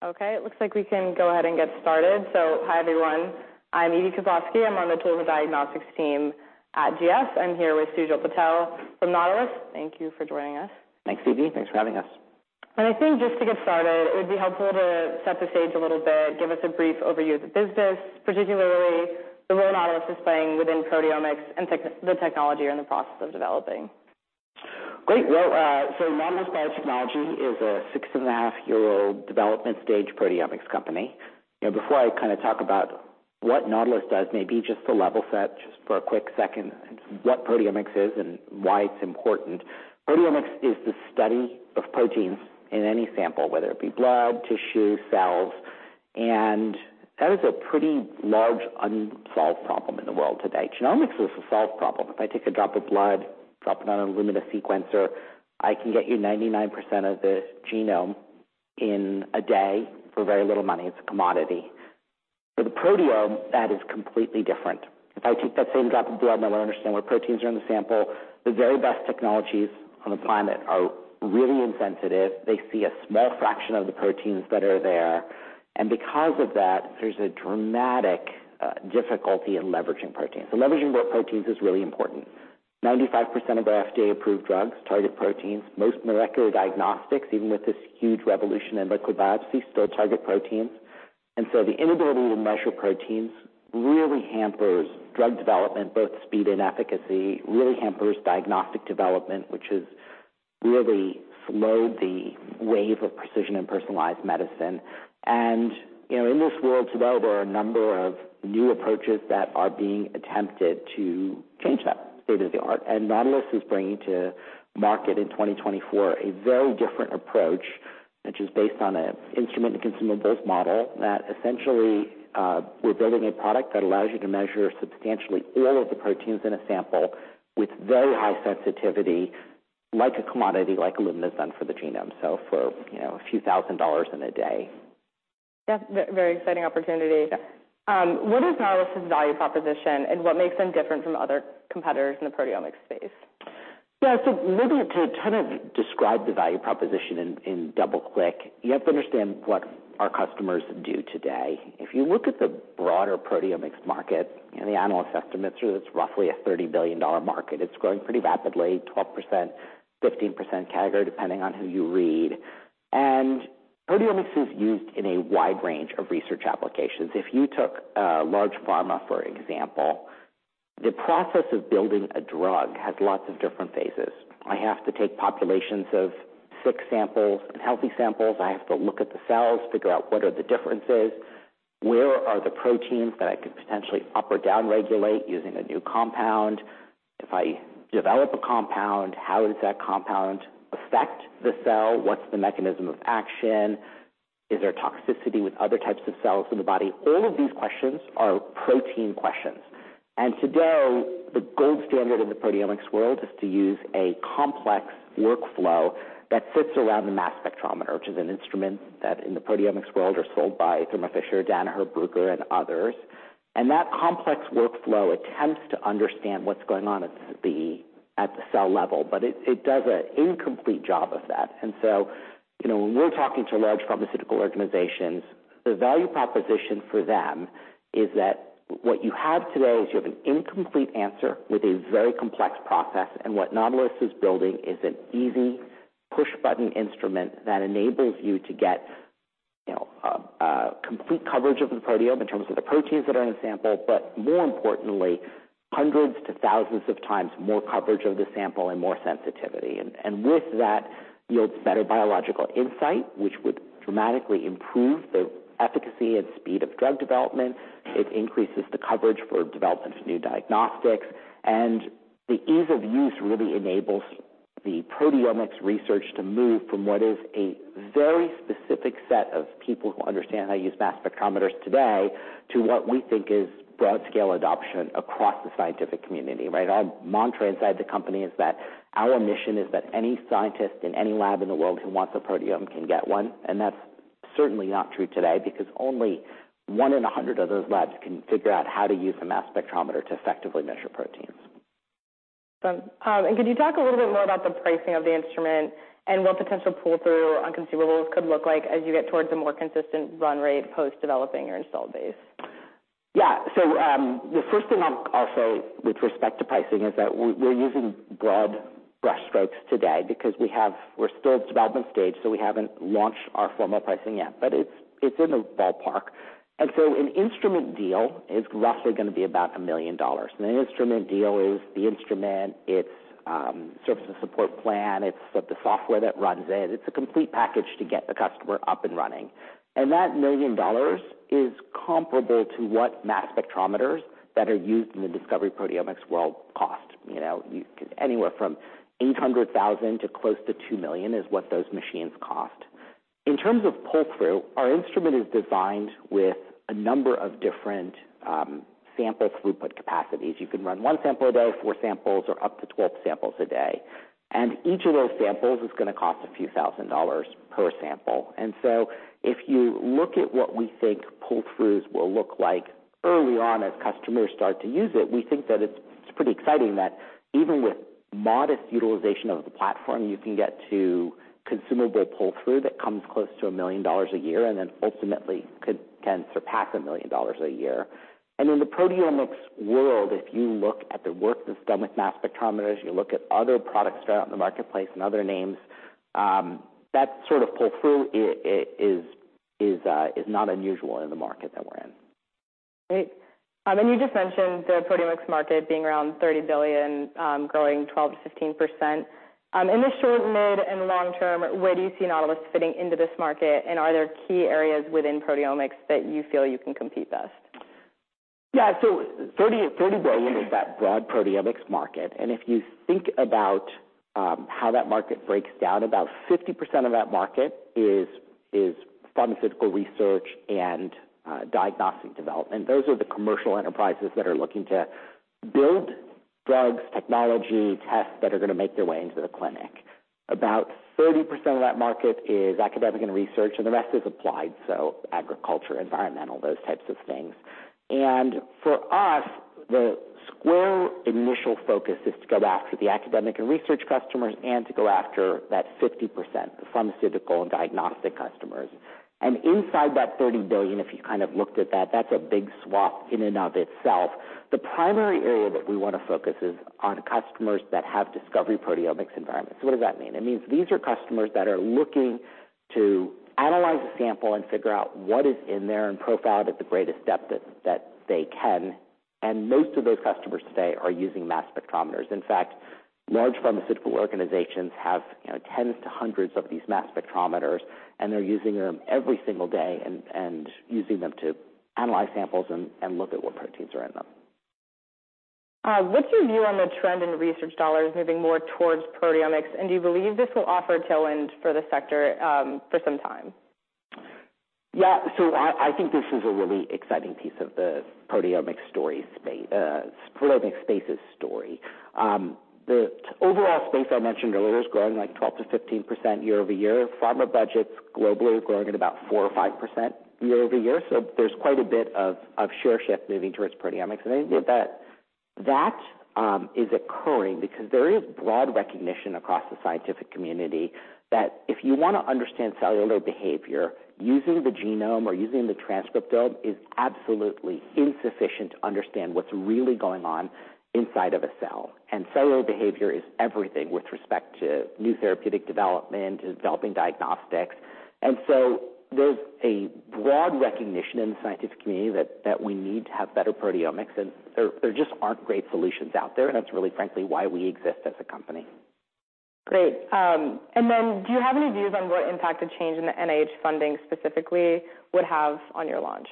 It looks like we can go ahead and get started. Hi, everyone. I'm Elizabeth Kozlosky. I'm on the Tools and Diagnostics team at GS. I'm here with Sujal Patel from Nautilus. Thank you for joining us. Thanks, Evie. Thanks for having us. I think just to get started, it would be helpful to set the stage a little bit, give us a brief overview of the business, particularly the role Nautilus is playing within proteomics and the technology you're in the process of developing. Great. Well, Nautilus Biotechnology is a six-and-a-half-year-old development stage proteomics company. You know, before I kind of talk about what Nautilus does, maybe just to level set, just for a quick second, what proteomics is and why it's important. Proteomics is the study of proteins in any sample, whether it be blood, tissue, cells, and that is a pretty large unsolved problem in the world today. Genomics is a solved problem. If I take a drop of blood, drop it on a Illumina sequencer, I can get you 99% of the genome in a day for very little money. It's a commodity. For the proteome, that is completely different. If I take that same drop of blood, and I want to understand what proteins are in the sample, the very best technologies on the planet are really insensitive. They see a small fraction of the proteins that are there. Because of that, there's a dramatic difficulty in leveraging proteins. Leveraging those proteins is really important. 95% of the FDA-approved drugs target proteins. Most molecular diagnostics, even with this huge revolution in liquid biopsy, still target proteins. The inability to measure proteins really hampers drug development, both speed and efficacy, really hampers diagnostic development, which has really slowed the wave of precision and personalized medicine. You know, in this world today, there are a number of new approaches that are being attempted to change that state of the art. Nautilus is bringing to market in 2024 a very different approach, which is based on an instrument and consumable model that essentially, we're building a product that allows you to measure substantially all of the proteins in a sample with very high sensitivity, like a commodity, like Illumina's done for the genome. For, you know, a few thousand dollars in a day. Yeah, very exciting opportunity. What is Nautilus's value proposition, and what makes them different from other competitors in the proteomics space? Yeah, so maybe to kind of describe the value proposition in double quick, you have to understand what our customers do today. If you look at the broader proteomics market and the analyst estimates, it's roughly a $30 billion market. It's growing pretty rapidly, 12%, 15% CAGR, depending on who you read. Proteomics is used in a wide range of research applications. If you took large pharma, for example, the process of building a drug has lots of different phases. I have to take populations of sick samples and healthy samples. I have to look at the cells, figure out what are the differences, where are the proteins that I could potentially up or down-regulate using a new compound? If I develop a compound, how does that compound affect the cell? What's the mechanism of action? Is there toxicity with other types of cells in the body? All of these questions are protein questions. Today, the gold standard in the proteomics world is to use a complex workflow that sits around the mass spectrometer, which is an instrument that in the proteomics world are sold by Thermo Fisher, Danaher, Bruker, and others. That complex workflow attempts to understand what's going on at the cell level, but it does an incomplete job of that. You know, when we're talking to large pharmaceutical organizations, the value proposition for them is that what you have today is you have an incomplete answer with a very complex process, and what Nautilus is building is an easy push-button instrument that enables you to get, you know, complete coverage of the proteome in terms of the proteins that are in the sample, but more importantly, hundreds to thousands of times more coverage of the sample and more sensitivity. With that, yields better biological insight, which would dramatically improve the efficacy and speed of drug development. It increases the coverage for development of new diagnostics, and the ease of use really enables the proteomics research to move from what is a very specific set of people who understand how to use mass spectrometers today to what we think is broad-scale adoption across the scientific community, right? Our mantra inside the company is that our mission is that any scientist in any lab in the world who wants a proteome can get one, and that's certainly not true today, because only one in 100 of those labs can figure out how to use the mass spectrometer to effectively measure proteins. Could you talk a little bit more about the pricing of the instrument and what potential pull-through on consumables could look like as you get towards a more consistent run rate post-developing your install base? Yeah. The first thing I'll say with respect to pricing is that we're using broad brush strokes today because we're still at development stage, so we haven't launched our formal pricing yet, but it's in the ballpark. An instrument deal is roughly going to be about $1 million. An instrument deal is the instrument, it's surface and support plan, it's the software that runs it. It's a complete package to get the customer up and running. That $1 million is comparable to what mass spectrometers that are used in the discovery proteomics world cost. You know, anywhere from $800,000 to close to $2 million is what those machines cost. In terms of pull-through, our instrument is designed with a number of different sample throughput capacities. You can run one sample a day, four samples, or up to 12 samples a day, and each of those samples is going to cost a few thousand dollars per sample. If you look at what we think pull-throughs will look like early on as customers start to use it, we think that it's pretty exciting that even with modest utilization of the platform, you can get to consumable pull-through that comes close to $1 million a year, and then ultimately can surpass $1 million a year. In the proteomics world, if you look at the work of stomach mass spectrometers, you look at other products throughout the marketplace and other names, that sort of pull-through is not unusual in the market that we're in. Great. And you just mentioned the proteomics market being around $30 billion, growing 12%-15%. In the short, mid, and long term, where do you see Nautilus fitting into this market? Are there key areas within proteomics that you feel you can compete best? Yeah. 30 billion is that broad proteomics market. If you think about how that market breaks down, about 50% of that market is pharmaceutical research and diagnostic development. Those are the commercial enterprises that are looking to build drugs, technology, tests that are going to make their way into the clinic. About 30% of that market is academic and research, the rest is applied, agriculture, environmental, those types of things. For us, the square initial focus is to go after the academic and research customers and to go after that 50%, the pharmaceutical and diagnostic customers. Inside that $30 billion, if you kind of looked at that's a big swath in and of itself. The primary area that we want to focus is on customers that have discovery proteomics environments. What does that mean? It means these are customers that are looking to analyze a sample and figure out what is in there and profile it at the greatest depth that they can, and most of those customers today are using mass spectrometers. In fact, large pharmaceutical organizations have, you know, tens to hundreds of these mass spectrometers, and they're using them every single day and using them to analyze samples and look at what proteins are in them. What's your view on the trend in research dollars moving more towards proteomics, and do you believe this will offer a tailwind for the sector, for some time? I think this is a really exciting piece of the proteomics story space, proteomics spaces story. The overall space I mentioned earlier is growing, like 12%-15% year-over-year. Pharma budgets globally are growing at about 4% or 5% year-over-year. There's quite a bit of share shift moving towards proteomics. I think that is occurring because there is broad recognition across the scientific community that if you want to understand cellular behavior, using the genome or using the transcriptome is absolutely insufficient to understand what's really going on inside of a cell. Cellular behavior is everything with respect to new therapeutic development, to developing diagnostics. There's a broad recognition in the scientific community that we need to have better proteomics, and there just aren't great solutions out there, and that's really, frankly, why we exist as a company. Great. Do you have any views on what impact a change in the NIH funding specifically would have on your launch?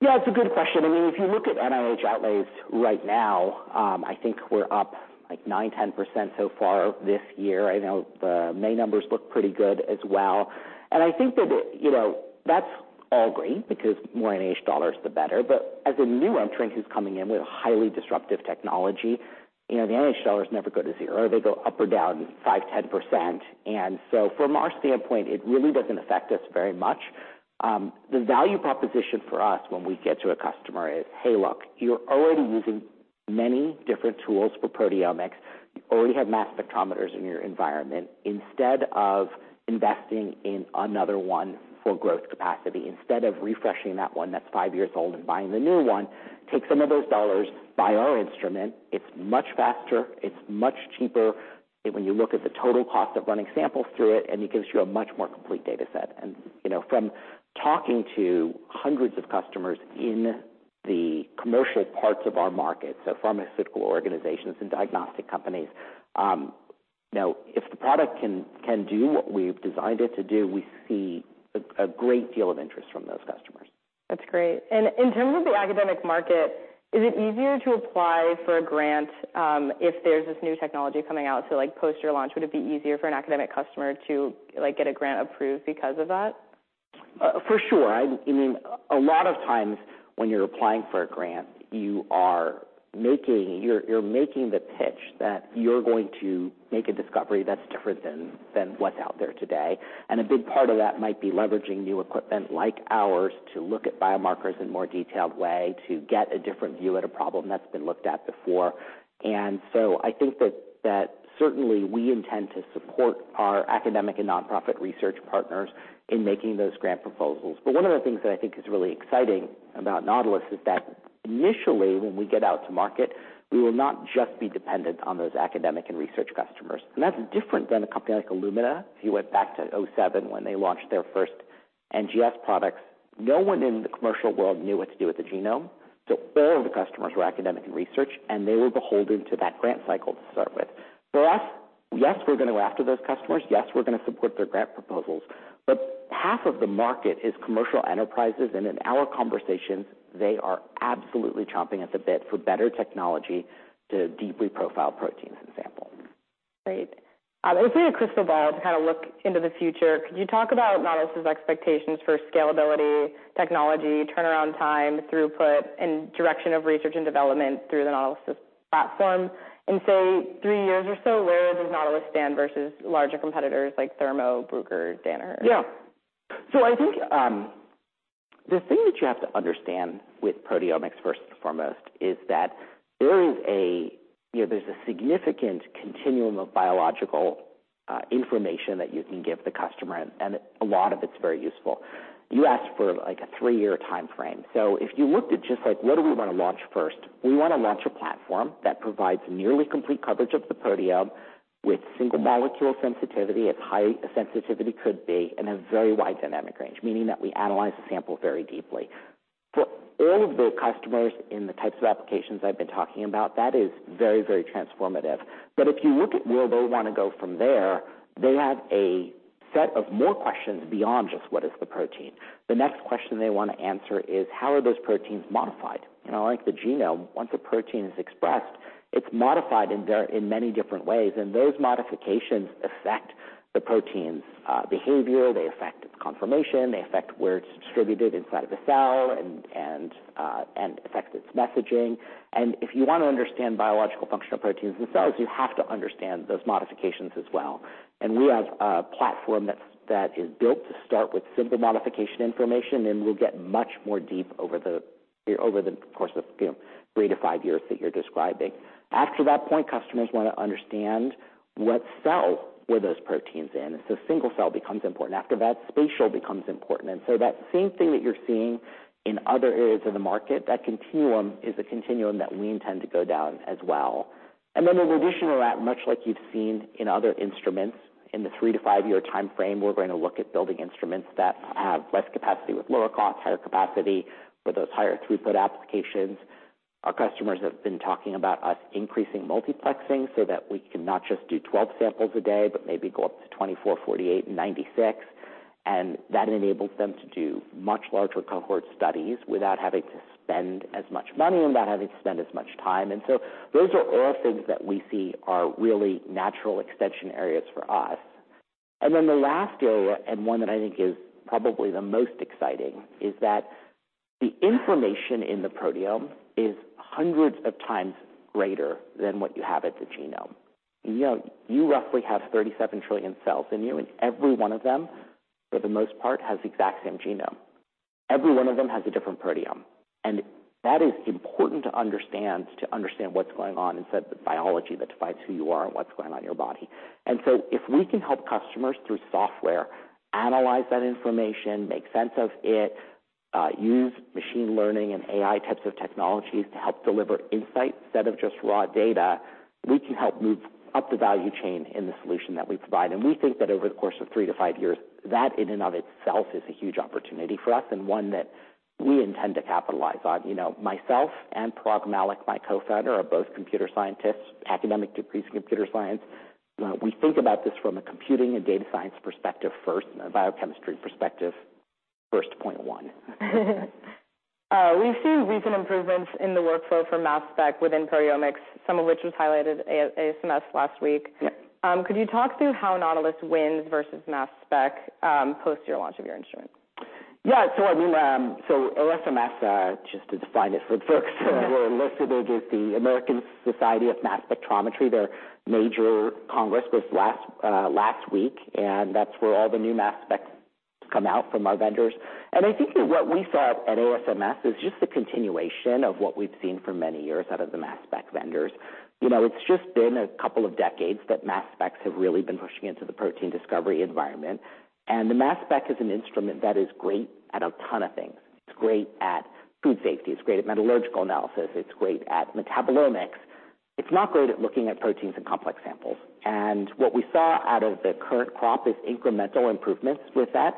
Yeah, it's a good question. I mean, if you look at NIH outlays right now, I think we're up like 9%, 10% so far this year. I know the May numbers look pretty good as well. I think that, you know, that's all great because more NIH dollars, the better. As a new entrant who's coming in with a highly disruptive technology, you know, the NIH dollars never go to zero. They go up or down 5% to 10%. From our standpoint, it really doesn't affect us very much. The value proposition for us when we get to a customer is: Hey, look, you're already using many different tools for proteomics. You already have mass spectrometers in your environment. Instead of investing in another one for growth capacity, instead of refreshing that one that's five years old and buying the new one, take some of those dollars, buy our instrument. It's much faster, it's much cheaper when you look at the total cost of running samples through it, and it gives you a much more complete data set. You know, from talking to hundreds of customers in the commercial parts of our market, so pharmaceutical organizations and diagnostic companies, now, if the product can do what we've designed it to do, we see a great deal of interest from those customers. That's great. In terms of the academic market, is it easier to apply for a grant, if there's this new technology coming out? Like, post your launch, would it be easier for an academic customer to, like, get a grant approved because of that? For sure. I mean, a lot of times when you're applying for a grant, you're making the pitch that you're going to make a discovery that's different than what's out there today. A big part of that might be leveraging new equipment like ours to look at biomarkers in more detailed way, to get a different view at a problem that's been looked at before. I think that certainly we intend to support our academic and nonprofit research partners in making those grant proposals. One of the things that I think is really exciting about Nautilus is that initially, when we get out to market, we will not just be dependent on those academic and research customers. That's different than a company like Illumina, if you went back to 2007 when they launched their first NGS products. No one in the commercial world knew what to do with the genome, so all the customers were academic and research, and they were beholden to that grant cycle to start with. For us, yes, we're going to go after those customers. Yes, we're going to support their grant proposals, but half of the market is commercial enterprises, and in our conversations, they are absolutely chomping at the bit for better technology to deeply profile protein and sample. Great. If you had a crystal ball to kind of look into the future, could you talk about Nautilus' expectations for scalability, technology, turnaround time, throughput, and direction of research and development through the Nautilus platform? In, say, 3 years or so, where does Nautilus stand versus larger competitors like Thermo, Bruker, Danaher? Yeah. I think. The thing that you have to understand with proteomics, first and foremost, is that there is a, you know, there's a significant continuum of biological information that you can give the customer, and a lot of it's very useful. You asked for, like, a three-year time frame. If you looked at just like, what do we want to launch first? We want to launch a platform that provides nearly complete coverage of the proteome with single molecule sensitivity, as high sensitivity could be, and a very wide dynamic range, meaning that we analyze the sample very deeply. For all of the customers in the types of applications I've been talking about, that is very, very transformative. If you look at where they want to go from there, they have a set of more questions beyond just what is the protein. The next question they want to answer is, how are those proteins modified? You know, like the genome, once a protein is expressed, it's modified in many different ways, and those modifications affect the protein's behavior, they affect its conformation, they affect where it's distributed inside of the cell, and affect its messaging. If you want to understand biological functional proteins in cells, you have to understand those modifications as well. We have a platform that is built to start with simple modification information, and we'll get much more deep over the course of, you know, three-five years that you're describing. After that point, customers want to understand what cell were those proteins in. Single cell becomes important. After that, spatial becomes important. That same thing that you're seeing in other areas of the market, that continuum is a continuum that we intend to go down as well. In addition to that, much like you've seen in other instruments, in the three-five-year time frame, we're going to look at building instruments that have less capacity with lower cost, higher capacity for those higher throughput applications. Our customers have been talking about us increasing multiplexing so that we can not just do 12 samples a day, but maybe go up to 24, 48, and 96. That enables them to do much larger cohort studies without having to spend as much money and without having to spend as much time. Those are all things that we see are really natural extension areas for us. The last area, and one that I think is probably the most exciting, is that the information in the proteome is hundreds of times greater than what you have at the genome. You know, you roughly have 37 trillion cells in you, and every one of them, for the most part, has the exact same genome. Every one of them has a different proteome, and that is important to understand, to understand what's going on inside the biology that defines who you are and what's going on in your body. If we can help customers through software, analyze that information, make sense of it, use machine learning and AI types of technologies to help deliver insights instead of just raw data, we can help move up the value chain in the solution that we provide. We think that over the course of three to five years, that in and of itself is a huge opportunity for us and one that we intend to capitalize on. You know, myself and Parag Mallick, my co-founder, are both computer scientists, academic degrees in computer science. We think about this from a computing and data science perspective first, and a biochemistry perspective first point one. We've seen recent improvements in the workflow for mass spec within proteomics, some of which was highlighted ASMS last week. Yes. Could you talk through how Nautilus wins versus mass spec, post your launch of your instrument? Yeah. ASMS, just to define it for the folks, who are listening, is the American Society for Mass Spectrometry. Their major congress was last week, and that's where all the new mass specs come out from our vendors. I think that what we saw at ASMS is just a continuation of what we've seen for many years out of the mass spec vendors. You know, it's just been a couple of decades that mass specs have really been pushing into the protein discovery environment. The mass spec is an instrument that is great at a ton of things. It's great at food safety, it's great at metallurgical analysis, it's great at metabolomics. It's not great at looking at proteins and complex samples. What we saw out of the current crop is incremental improvements with that.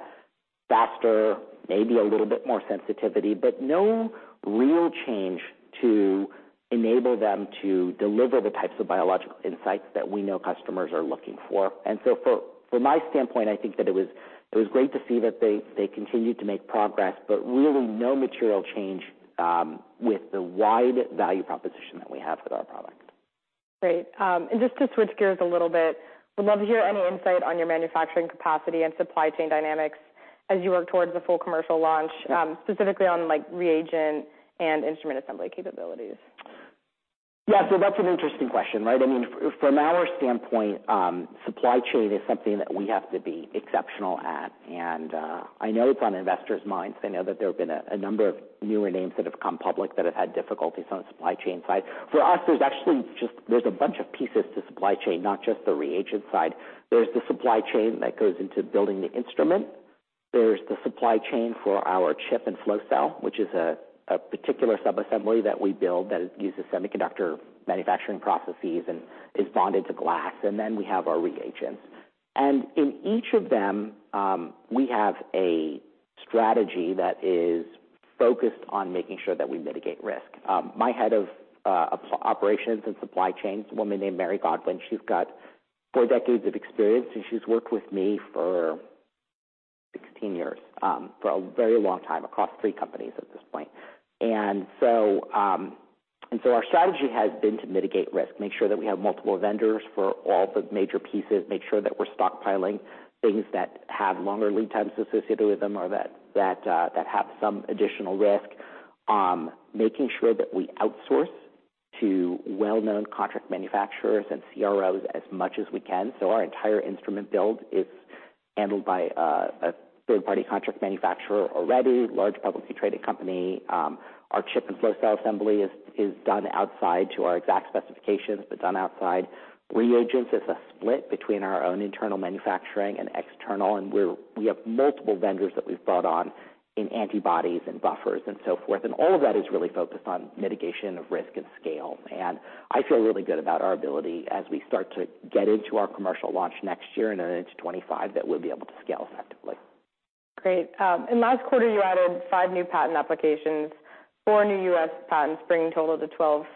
Faster, maybe a little bit more sensitivity, but no real change to enable them to deliver the types of biological insights that we know customers are looking for. For my standpoint, I think that it was great to see that they continued to make progress, but really no material change with the wide value proposition that we have with our product. Great. Just to switch gears a little bit, would love to hear any insight on your manufacturing capacity and supply chain dynamics as you work towards the full commercial launch, specifically on, like, reagent and instrument assembly capabilities. Yeah, that's an interesting question, right? I mean, from our standpoint, supply chain is something that we have to be exceptional at, and I know it's on investors' minds. I know that there have been a number of newer names that have come public that have had difficulties on the supply chain side. For us, there's actually there's a bunch of pieces to supply chain, not just the reagent side. There's the supply chain that goes into building the instrument. There's the supply chain for our chip and flow cell, which is a particular sub-assembly that we build that uses semiconductor manufacturing processes and is bonded to glass. Then we have our reagents. In each of them, we have a strategy that is focused on making sure that we mitigate risk. My head of operations and supply chain, a woman named Mary Godwin, she's got four decades of experience, and she's worked with me for 16 years, for a very long time, across three companies at this point. Our strategy has been to mitigate risk, make sure that we have multiple vendors for all the major pieces, make sure that we're stockpiling things that have longer lead times associated with them or that, that have some additional risk. Making sure that we outsource to well-known contract manufacturers and CROs as much as we can. Our entire instrument build is handled by, a third-party contract manufacturer already, large publicly traded company. Our chip and flow cell assembly is done outside to our exact specifications, but done outside. Reagents is a split between our own internal manufacturing and external, we have multiple vendors that we've brought on in antibodies and buffers and so forth. All of that is really focused on mitigation of risk and scale. I feel really good about our ability as we start to get into our commercial launch next year and into 2025, that we'll be able to scale effectively. Great. In last quarter, you added five new patent applications, four new U.S. patents, bringing total to 12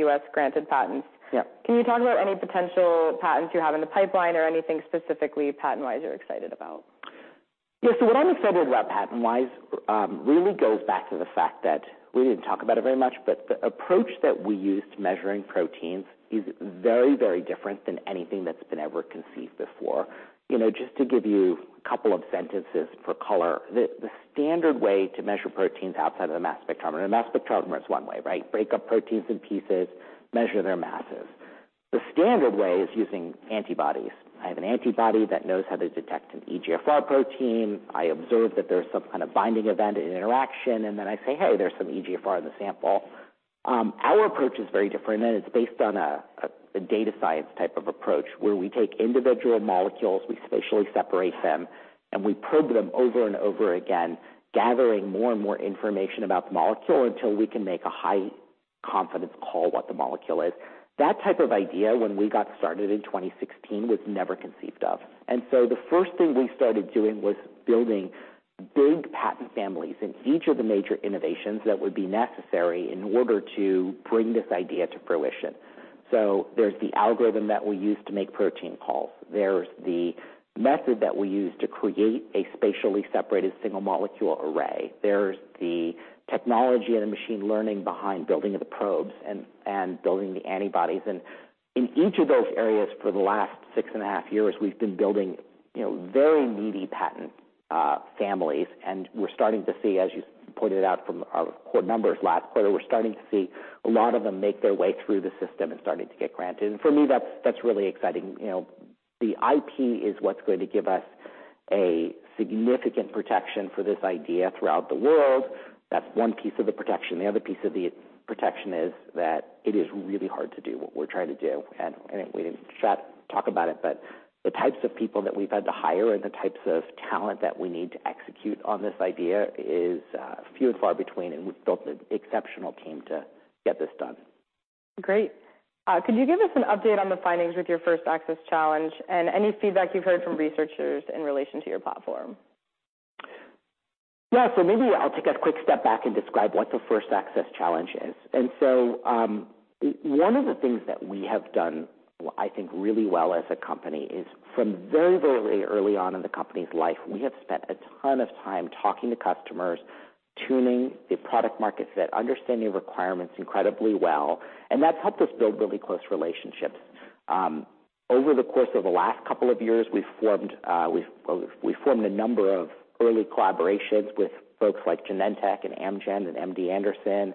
U.S. granted patents. Yep. Can you talk about any potential patents you have in the pipeline or anything specifically, patent-wise, you're excited about? What I'm excited about patent-wise, really goes back to the fact that we didn't talk about it very much, but the approach that we used measuring proteins is very, very different than anything that's been ever conceived before. You know, just to give you a couple of sentences for color, the standard way to measure proteins outside of the mass spectrometer, and mass spectrometer is one way, right? Break up proteins in pieces, measure their masses. The standard way is using antibodies. I have an antibody that knows how to detect an EGFR protein. I observe that there's some kind of binding event, an interaction, and then I say, "Hey, there's some EGFR in the sample." Our approach is very different, and it's based on a data science type of approach, where we take individual molecules, we spatially separate them, and we probe them over and over again, gathering more and more information about the molecule until we can make a high confidence call what the molecule is. That type of idea, when we got started in 2016, was never conceived of. The first thing we started doing was building big patent families in each of the major innovations that would be necessary in order to bring this idea to fruition. There's the algorithm that we use to make protein calls. There's the method that we use to create a spatially separated single molecule array. There's the technology and the machine learning behind building the probes and building the antibodies. In each of those areas, for the last 6.5 years, we've been building, you know, very meaty patent families, and we're starting to see, as you pointed out from our core numbers last quarter, we're starting to see a lot of them make their way through the system and starting to get granted. For me, that's really exciting. You know, the IP is what's going to give us a significant protection for this idea throughout the world. That's one piece of the protection. The other piece of the protection is that it is really hard to do what we're trying to do. We didn't try to talk about it, but the types of people that we've had to hire and the types of talent that we need to execute on this idea is few and far between. We've built an exceptional team to get this done. Great. could you give us an update on the findings with your First Access Challenge and any feedback you've heard from researchers in relation to your platform? Maybe I'll take a quick step back and describe what the First Access Challenge is. One of the things that we have done, I think, really well as a company is from very, very early on in the company's life, we have spent a ton of time talking to customers, tuning the product market fit, understanding the requirements incredibly well, and that's helped us build really close relationships. Over the course of the last couple of years, we've formed a number of early collaborations with folks like Genentech and Amgen and MD Anderson.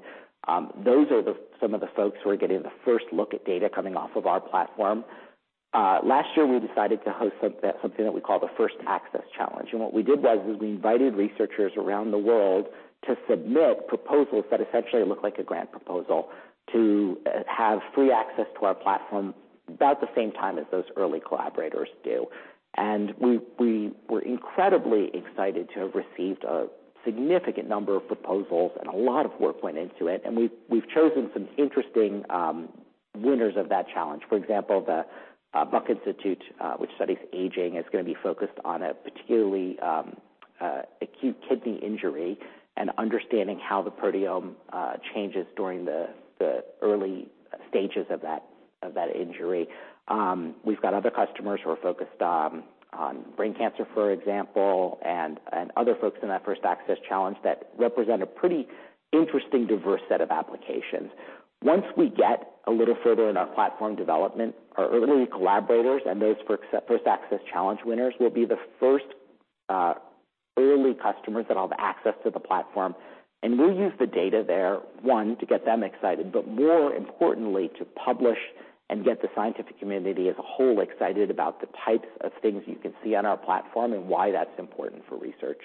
Those are the some of the folks who are getting the first look at data coming off of our platform. Last year, we decided to host something that we call the First Access Challenge. What we did was, we invited researchers around the world to submit proposals that essentially look like a grant proposal, to have free access to our platform about the same time as those early collaborators do. We were incredibly excited to have received a significant number of proposals, and a lot of work went into it. We've chosen some interesting winners of that challenge. For example, the Buck Institute, which studies aging, is going to be focused on a particularly acute kidney injury and understanding how the proteome changes during the early stages of that injury. We've got other customers who are focused on brain cancer, for example, and other folks in that First Access Challenge that represent a pretty interesting, diverse set of applications. Once we get a little further in our platform development, our early collaborators and those for First Access Challenge winners will be the first early customers that all have access to the platform. We'll use the data there, one, to get them excited. More importantly, to publish and get the scientific community as a whole excited about the types of things you can see on our platform and why that's important for research.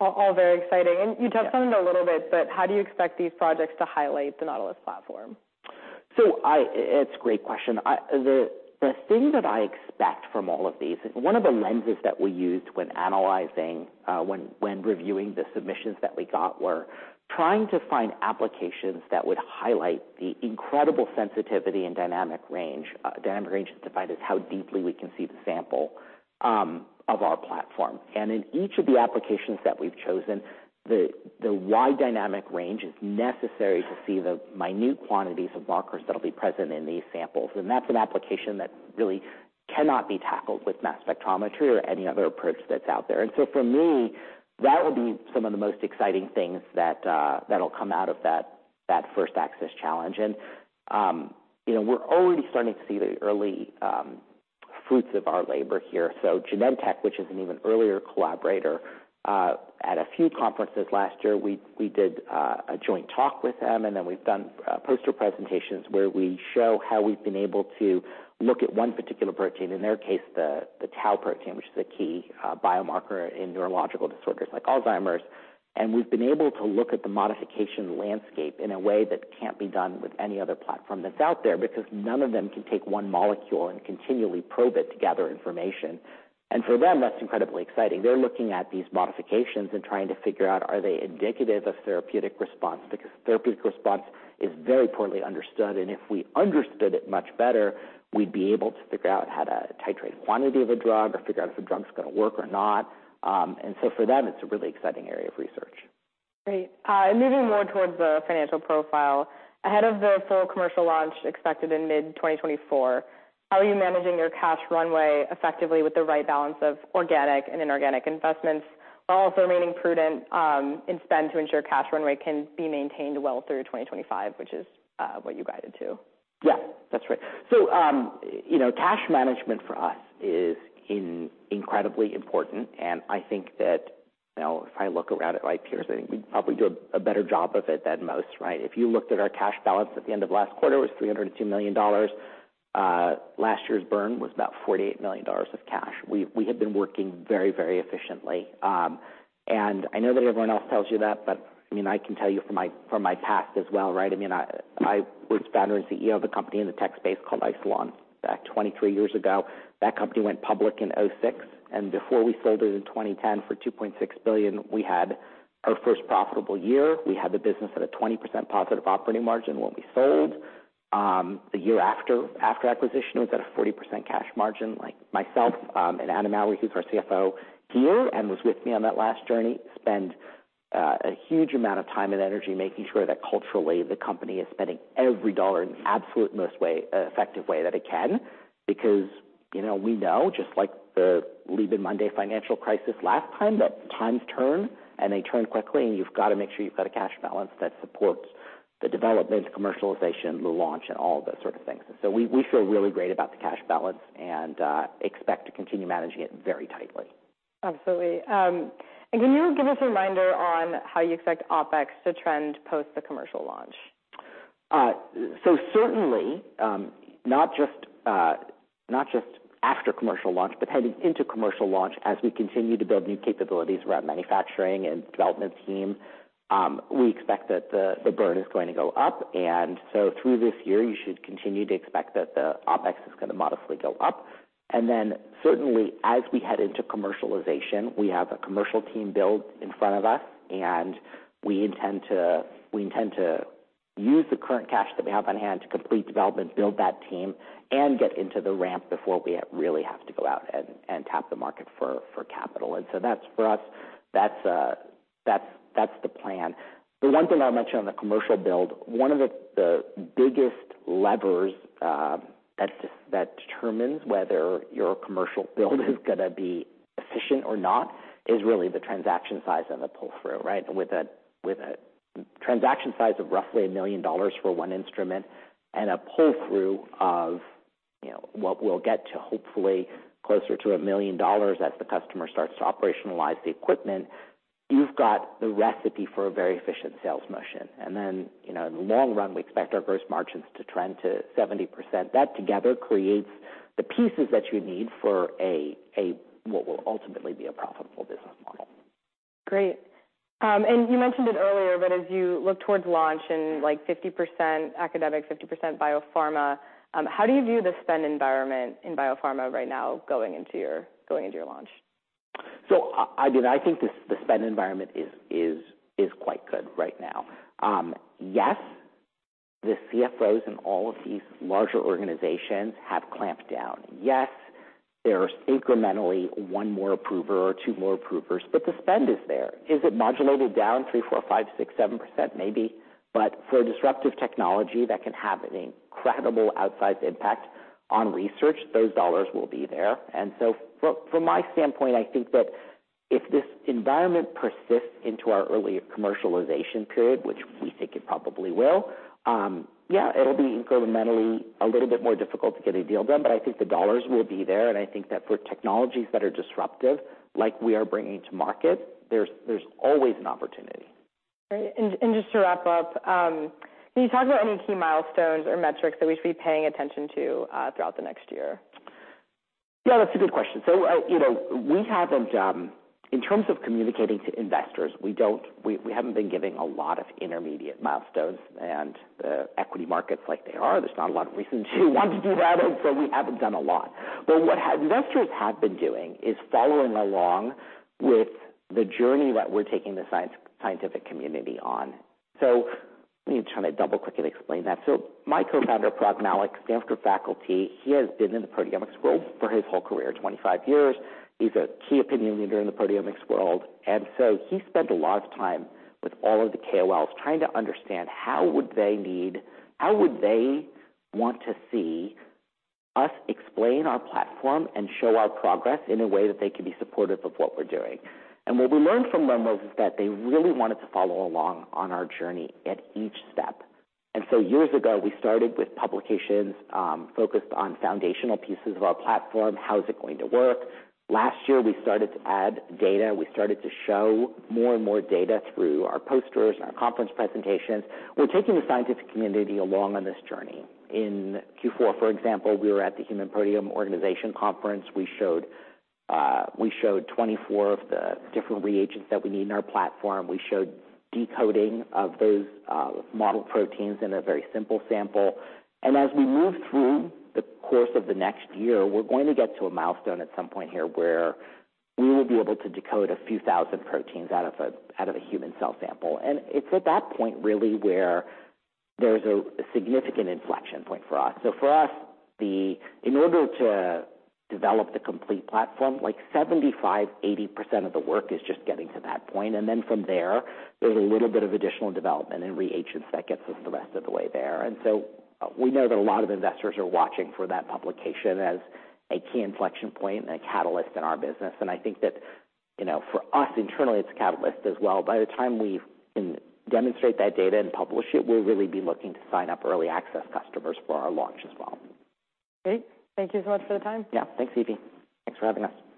All very exciting. Yeah. You touched on it a little bit, but how do you expect these projects to highlight the Nautilus platform? It's a great question. I, the thing that I expect from all of these, one of the lenses that we used when analyzing, when reviewing the submissions that we got were trying to find applications that would highlight the incredible sensitivity and dynamic range. Dynamic range is defined as how deeply we can see the sample of our platform. In each of the applications that we've chosen, the wide dynamic range is necessary to see the minute quantities of markers that will be present in these samples. That's an application that really cannot be tackled with mass spectrometry or any other approach that's out there. For me, that would be some of the most exciting things that'll come out of that First Access Challenge. You know, we're already starting to see the early fruits of our labor here. Genentech, which is an even earlier collaborator, at a few conferences last year, we did a joint talk with them, and then we've done poster presentations where we show how we've been able to look at one particular protein, in their case, the tau protein, which is a key biomarker in neurological disorders like Alzheimer's. We've been able to look at the modification landscape in a way that can't be done with any other platform that's out there, because none of them can take one molecule and continually probe it to gather information. For them, that's incredibly exciting. They're looking at these modifications and trying to figure out, are they indicative of therapeutic response? Therapeutic response is very poorly understood, and if we understood it much better, we'd be able to figure out how to titrate quantity of a drug or figure out if a drug's gonna work or not. For them, it's a really exciting area of research. Great. Moving more towards the financial profile. Ahead of the full commercial launch expected in mid-2024, how are you managing your cash runway effectively with the right balance of organic and inorganic investments, while also remaining prudent in spend to ensure cash runway can be maintained well through 2025, which is what you guided to? Yeah, that's right. you know, cash management for us is incredibly important, and I think that, you know, if I look around at my peers, I think we probably do a better job of it than most, right? If you looked at our cash balance at the end of last quarter, it was $302 million. Last year's burn was about $48 million of cash. We have been working very, very efficiently. I know that everyone else tells you that, but, I mean, I can tell you from my past as well, right? I mean, I was founder and CEO of a company in the tech space called Isilon, back 23 years ago. That company went public in 2006, before we sold it in 2010 for $2.6 billion, we had our first profitable year. We had the business at a 20% positive operating margin when we sold. The year after acquisition, it was at a 40% cash margin. Like, myself, and Anna Mowry, who's our CFO here and was with me on that last journey, spend a huge amount of time and energy making sure that culturally, the company is spending every dollar in the absolute most effective way that it can. You know, we know, just like the Lehman Brothers bankruptcy last time, that times turn and they turn quickly, and you've got to make sure you've got a cash balance that supports the development, commercialization, the launch, and all of that sort of things. We feel really great about the cash balance and expect to continue managing it very tightly. Absolutely. Can you give us a reminder on how you expect OpEx to trend post the commercial launch? Certainly, not just, not just after commercial launch, but heading into commercial launch as we continue to build new capabilities around manufacturing and development team, we expect that the burn is going to go up. Through this year, you should continue to expect that the OpEx is going to modestly go up. Certainly, as we head into commercialization, we have a commercial team build in front of us, and we intend to use the current cash that we have on hand to complete development, build that team, and get into the ramp before we really have to go out and tap the market for capital. That's, for us, that's the plan. The one thing I'll mention on the commercial build, one of the biggest levers that determines whether your commercial build is gonna be efficient or not, is really the transaction size of the pull-through, right? With a transaction size of roughly $1 million for one instrument and a pull-through of, you know, what we'll get to, hopefully, closer to $1 million as the customer starts to operationalize the equipment, you've got the recipe for a very efficient sales motion. You know, in the long run, we expect our gross margins to trend to 70%. That together creates the pieces that you need for a what will ultimately be a profitable business model. Great. You mentioned it earlier, but as you look towards launch and like, 50% academic, 50% biopharma, how do you view the spend environment in biopharma right now, going into your launch? I mean, I think the spend environment is quite good right now. Yes, the CFOs in all of these larger organizations have clamped down. Yes, there are incrementally 1 more approver or two more approvers, but the spend is there. Is it modulated down 3%, 4%, 5%, 6%, 7%? Maybe. For a disruptive technology that can have an incredible outsized impact on research, those dollars will be there. From my standpoint, I think that if this environment persists into our early commercialization period, which we think it probably will, yeah, it'll be incrementally a little bit more difficult to get a deal done, but I think the dollars will be there, and I think that for technologies that are disruptive, like we are bringing to market, there's always an opportunity. Great. Just to wrap up, can you talk about any key milestones or metrics that we should be paying attention to throughout the next year? Yeah, that's a good question. you know, we haven't been giving a lot of intermediate milestones, and the equity markets like they are, there's not a lot of reason to want to do that, and so we haven't done a lot. What investors have been doing is following along with the journey that we're taking the scientific community on. Let me try to double-click and explain that. My co-founder, Parag Mallick, Stanford faculty, he has been in the proteomics world for his whole career, 25 years. He's a key opinion leader in the proteomics world. He spent a lot of time with all of the KOLs, trying to understand how would they want to see us explain our platform and show our progress in a way that they can be supportive of what we're doing. What we learned from them was that they really wanted to follow along on our journey at each step. Years ago, we started with publications, focused on foundational pieces of our platform. How is it going to work? Last year, we started to add data. We started to show more and more data through our posters and our conference presentations. We're taking the scientific community along on this journey. In Q4, for example, we were at the Human Proteome Organization conference. We showed 24 of the different reagents that we need in our platform. We showed decoding of those model proteins in a very simple sample. As we move through the course of the next year, we're going to get to a milestone at some point here where we will be able to decode a few thousand proteins out of a human cell sample. It's at that point, really, where there's a significant inflection point for us. For us, in order to develop the complete platform, like 75%, 80% of the work is just getting to that point, and then from there's a little bit of additional development and reagents that gets us the rest of the way there. We know that a lot of investors are watching for that publication as a key inflection point and a catalyst in our business. I think that, you know, for us, internally, it's a catalyst as well. By the time we can demonstrate that data and publish it, we'll really be looking to sign up early access customers for our launch as well. Great. Thank you so much for the time. Thanks, Evie. Thanks for having us.